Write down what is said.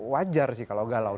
wajar sih kalau galau